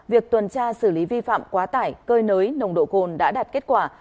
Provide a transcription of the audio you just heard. việc tuần tra xử lý vi phạm quá tải cơi nới nồng độ cồn đã đạt kết quả